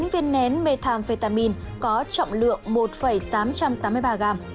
một mươi chín viên nén methamphetamine có trọng lượng một tám trăm tám mươi ba gram